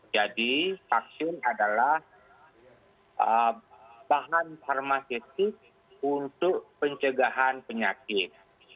jadi vaksin adalah bahan farmasekis untuk pencegahan penyakit